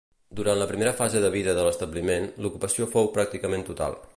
Durant la primera fase de vida de l'establiment, l'ocupació fou pràcticament total.